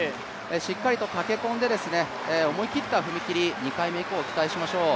しっかりと駆け込んで、思い切った踏み切り、２回目以降期待しましょう。